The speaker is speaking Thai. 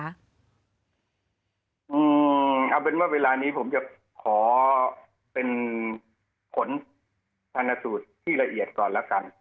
เอาเป็นว่าเวลานี้ผมจะขอเป็นผลชนสูตรที่ละเอียดก่อนแล้วกัน